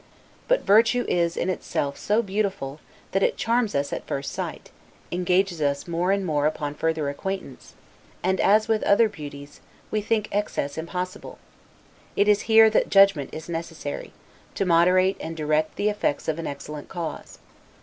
But virtue is, in itself, so beautiful, that it charms us at first sight; engages us more and more upon further acquaintance; and, as with other beauties, we think excess impossible; it is here that judgment is necessary, to moderate and direct the effects of an excellent cause.